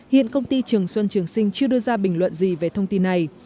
hiện công ty trường xuân trường sinh chưa đưa ra bình luận gì về thông tin này